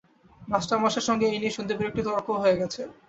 মাস্টারমশায়ের সঙ্গে এই নিয়ে সন্দীপের একটু তর্কও হয়ে গেছে।